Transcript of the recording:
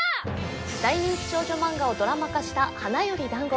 大人気少女マンガをドラマ化した「花より男子」